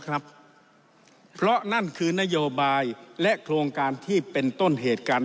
ครับเพราะนั่นคือนโยบายและโครงการที่เป็นต้นเหตุการณ์